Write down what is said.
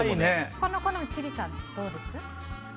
この好み、千里さんどうです？